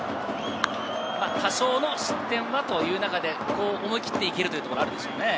多少の失点はという中で、思い切って行けるというところはあるでしょうね。